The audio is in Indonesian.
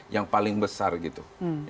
yang paling besar gitu